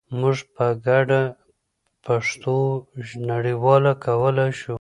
موږ په ګډه پښتو نړیواله کولای شو.